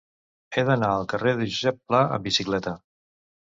He d'anar al carrer de Josep Pla amb bicicleta.